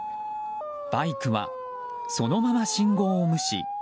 バイクはそのまま信号を無視。